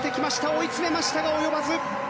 追い詰めましたが及ばず。